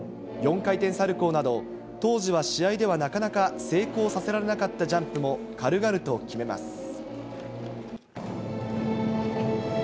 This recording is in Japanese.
４回転サルコーなど、当時は試合ではなかなか成功させられなかったジャンプも、軽々と決めます。